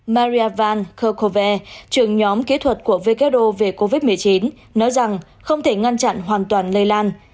maria van kerkhove trưởng nhóm kỹ thuật của who về covid một mươi chín nói rằng không thể ngăn chặn hoàn toàn lây lan